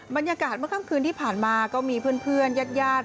บรรยากาศเมื่อค่ำคืนที่ผ่านมาก็มีเพื่อนญาติญาติ